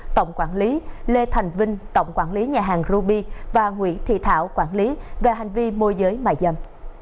tổng quản lý lê thành vinh tổng quản lý nhà hàng ruby và nguyễn thị thảo quản lý về hành vi môi giới mại dâm